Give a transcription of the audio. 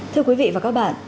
thưa quý vị và các bạn